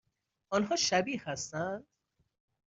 آنها شبیه هستند؟